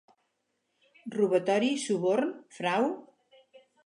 Robatori, suborn, frau,